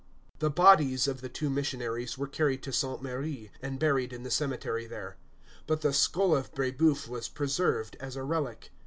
The bodies of the two missionaries were carried to Sainte Marie, and buried in the cemetery there; but the skull of Brébeuf was preserved as a relic.